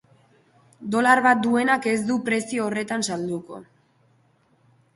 Dolar bat duenak ez du prezio horretan salduko.